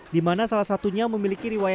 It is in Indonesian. di mana salah satunya memiliki riwayat